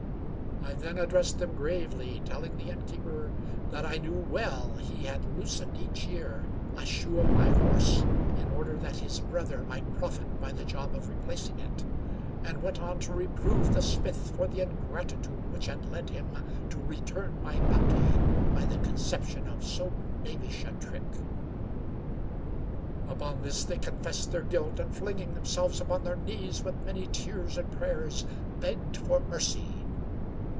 I then addressed them gravely, telling the innkeeper that I knew well he 142 Stanley /. Weyman had loosened each year a shoe of my horpe, in order that his brother might profit by the job of replacing it; and went on to reprove the smith for the ingratitude which had led him to return my bounty by the conception of bo knavish a trick. Upon this they confessed their guilt, and flinging them selves upon their knees with many tears and prayers begged for mercy.